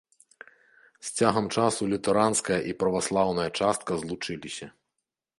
З цягам часу лютэранская і праваслаўная частка злучыліся.